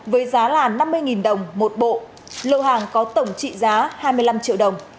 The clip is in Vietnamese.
với giá là năm mươi đồng một bộ lô hàng có tổng trị giá hai mươi năm triệu đồng